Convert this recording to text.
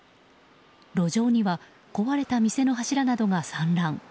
路上には壊れた店の柱などが散乱。